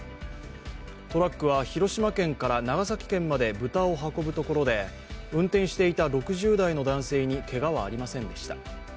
トラックは、広島県から長崎県まで豚を運ぶところで運転していた６０代の男性にけがはありませんでした。